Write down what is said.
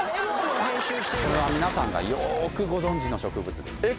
これは皆さんがよーくご存じの植物ですえっ